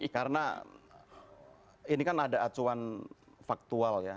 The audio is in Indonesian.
karena ini kan ada acuan faktual ya